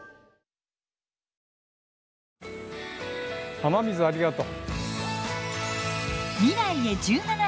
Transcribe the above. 雨水ありがとう。